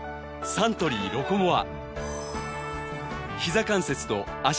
サントリー「ロコモア」